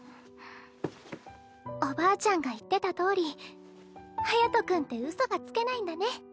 おばあちゃんが言ってたとおり隼君ってうそがつけないんだね。